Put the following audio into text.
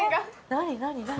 何何何？